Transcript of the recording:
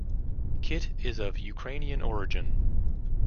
Kit is of Ukrainian origin.